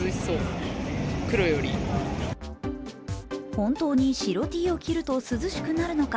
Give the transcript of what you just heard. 本当に白Ｔを着ると涼しくなるのか